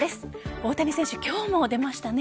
大谷選手、今日も出ましたね。